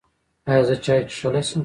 ایا زه چای څښلی شم؟